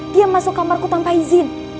dia masuk kamarku tanpa izin